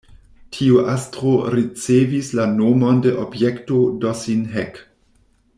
Tiu astro ricevis la nomon de "Objekto Dossin-Heck".